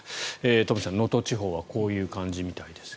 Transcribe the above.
東輝さん、能登地方はこういう感じみたいです。